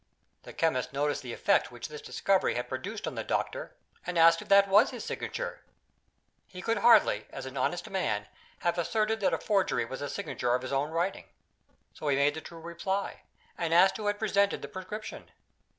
The chemist noticed the effect which this discovery had produced on the doctor, and asked if that was his signature. He could hardly, as an honest man, have asserted that a forgery was a signature of his own writing. So he made the true reply, and asked who had presented the prescription.